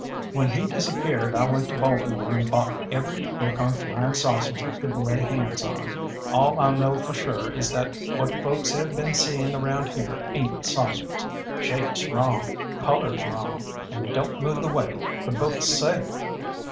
When he disappeared, I went to Baltimore and bought every book on flyin' saucers I could lay hands on. All I know for sure is that what folks have been seein' around here ain't saucers. Shape's wrong, color's wrong, and they don't move the way the books say."